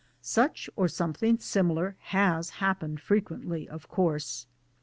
Such or something similar has happened frequently of course.